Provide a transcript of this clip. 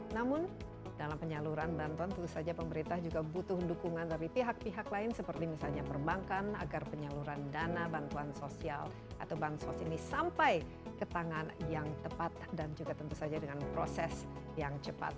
namun dalam penyaluran bantuan tentu saja pemerintah juga butuh dukungan dari pihak pihak lain seperti misalnya perbankan agar penyaluran dana bantuan sosial atau bansos ini sampai ke tangan yang tepat dan juga tentu saja dengan proses yang cepat